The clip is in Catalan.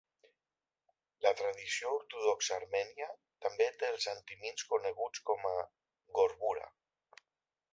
La tradició ortodoxa armènia també té els antimins, coneguts com a "gorbura"